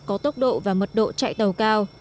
có tốc độ và mật độ chạy tàu cao